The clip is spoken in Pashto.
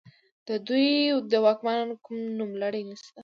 د دوی د واکمنو کوم نوملړ نشته